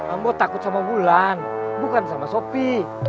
ambo takut sama bulan bukan sama sopi